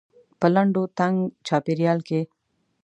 په لنډ و تنګ چاپيریال کې.